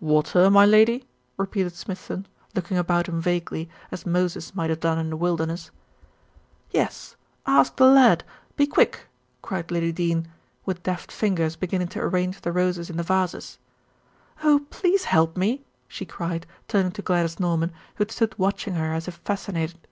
"Water, my Lady?" repeated Smithson, looking about him vaguely, as Moses might have done in the wilderness. "Yes; ask the lad. Be quick," cried Lady Dene, with deft fingers beginning to arrange the roses in the vases. "Oh! please help me," she cried, turning to Gladys Norman, who had stood watching her as if fascinated.